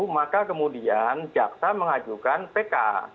maka kemudian jaksa mengajukan pk